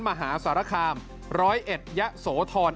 มหาสารคามรอยเอ็ดยะโสธร